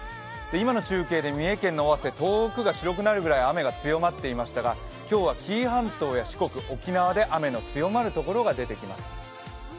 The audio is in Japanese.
今の中継で三重県の尾鷲、遠くが白くなるぐらい雨が強まっていましたが、今日は紀伊半島や四国、沖縄で雨の強まるところが出てきます。